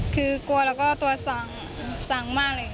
คือกลัวแล้วก็ตัวสั่งมากเลย